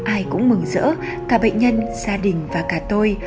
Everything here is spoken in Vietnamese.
ai cũng mừng rỡ cả bệnh nhân gia đình và cả tôi